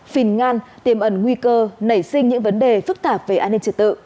phìn ngan tiềm ẩn nguy cơ nảy sinh những vấn đề phức tạp về an ninh trật tự